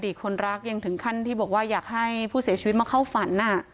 คนรักยังถึงขั้นที่บอกว่าอยากให้ผู้เสียชีวิตมาเข้าฝัน